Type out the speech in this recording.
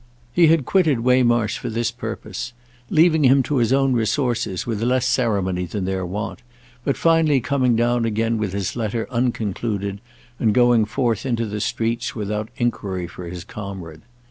He had quitted Waymarsh for this purpose, leaving him to his own resources with less ceremony than their wont, but finally coming down again with his letter unconcluded and going forth into the streets without enquiry for his comrade.